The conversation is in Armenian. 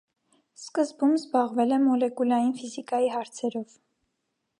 Սկզբում զբաղվել է մոլեկուլային ֆիզիկայի հարցերով։